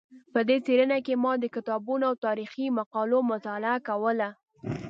په دې څېړنه کې ما د کتابونو او تاریخي مقالو مطالعه کوله.